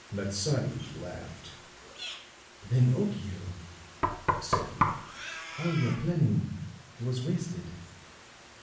Matsadi laughed. "Then, Okiu," said he, "all your planning was wasted."